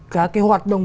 cả cái hoạt động